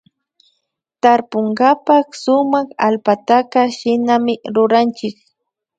Tarpunkapak sumak allpataka shinami ruranchik